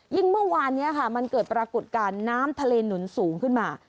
เมื่อวานนี้ค่ะมันเกิดปรากฏการณ์น้ำทะเลหนุนสูงขึ้นมา